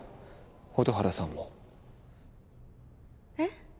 蛍原さんも。えっ？